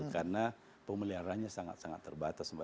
karena pemeliharannya sangat sangat terbatas